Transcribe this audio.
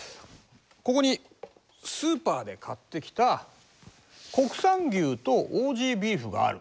ここにスーパーで買ってきた国産牛とオージービーフがある。